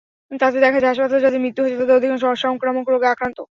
তাতে দেখা যায়, হাসপাতালে যাদের মৃত্যু হচ্ছে তাদের অধিকাংশ অসংক্রামক রোগে আক্রান্ত।